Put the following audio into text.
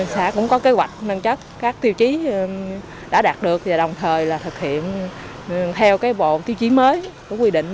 xã cũng có kế hoạch nâng chất các tiêu chí đã đạt được và đồng thời là thực hiện theo bộ tiêu chí mới của quy định